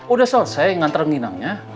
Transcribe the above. udah selesai nganteranginannya